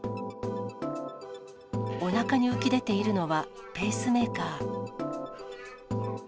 おなかに浮き出ているのは、ペースメーカー。